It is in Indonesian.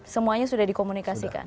semuanya sudah dikomunikasikan